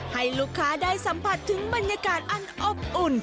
ให้ลูกค้าได้สัมผัสถึงบรรยากาศอันอบอุ่น